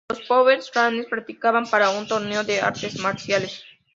Los Power Rangers practicaban para un torneo de artes marciales.